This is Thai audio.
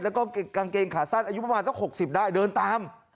แล้วก็กางเกงขาสั้นอายุประมาณสัก๖๐ได้เดินตาม